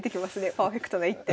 パーフェクトな一手。